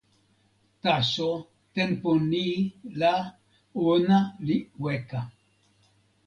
taso tenpo ni la ona li weka.